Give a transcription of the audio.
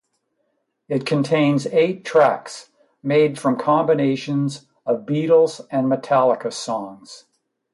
It contains eight tracks, made from combinations of Beatles and Metallica songs.